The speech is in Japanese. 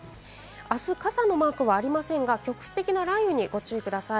あす、傘のマークはありませんが局地的な雷雨にご注意ください。